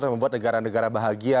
yang membuat negara negara bahagia